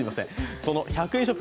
その１００円ショップ